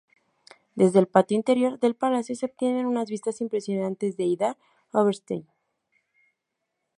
Desde el patio interior del palacio se obtienen unas vistas impresionantes de Idar-Oberstein.